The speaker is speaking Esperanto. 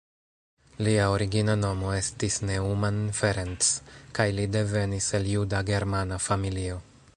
Lia origina nomo estis Neumann Ferenc kaj li devenis el juda-germana familio.